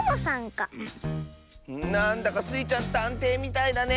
なんだかスイちゃんたんていみたいだね。